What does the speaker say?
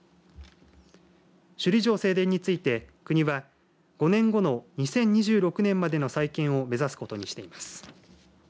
首里城正殿について国は５年後の２０２６年までの再建を目指すことにしています。